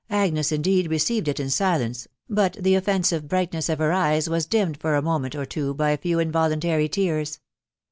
Agnes indeed received it in silence, but the offensive brightness of her eyes was dimmed for a moment or two by a few involuntary tears.